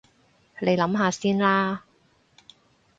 你諗下先啦